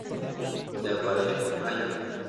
Se aparean en mayo.